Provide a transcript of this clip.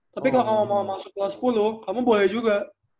tapi kalau kamu mau masuk kelas sepuluh kamu boleh juga